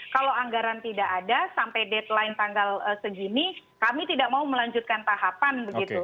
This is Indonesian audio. kalau anggaran tidak ada sampai deadline tanggal segini kami tidak mau melanjutkan tahapan begitu